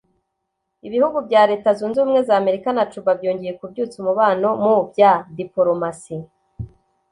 Ibihugu bya Leta zunze ubumwe za Amerika na Cuba byongeye kubyutsa umubano mu bya dipolomasi